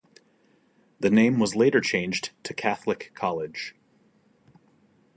The name was later changed to Catholic College.